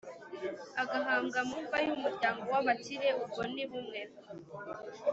Agahambwa mu mva y umuryango w abakire ubwo ni bumwe